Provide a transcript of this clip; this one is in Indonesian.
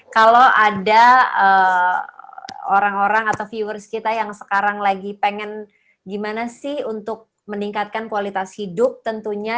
kalau ada orang orang atau viewers kita yang sekarang lagi pengen gimana sih untuk meningkatkan kualitas hidup tentunya